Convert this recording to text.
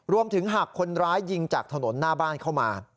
หากคนร้ายยิงจากถนนหน้าบ้านเข้ามา